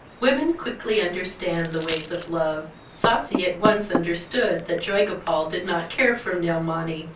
Women quickly understand the ways of love. Sasi at once understood that Joygopal did not care for Nilmani.